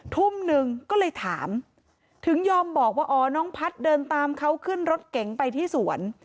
ทุ่มหนึ่งก็เลยถามถึงยอมบอกว่าอ๋อน้องพัฒน์เดินตามเขาขึ้นรถเก๋งไปที่สวน